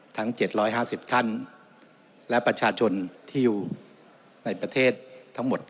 ทั้ง๗๕๐ท่านและประชาชนที่อยู่ในประเทศทั้งหมด